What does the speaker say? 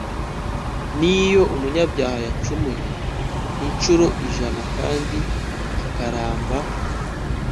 n'iyo umunyabyaha yacumuye incuro ijana kandi akaramba